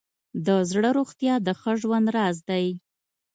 د زړه روغتیا د ښه ژوند راز دی.